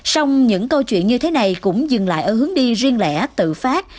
sông những câu chuyện như thế này cũng dừng lại ở hướng đi riêng lẻ tự phát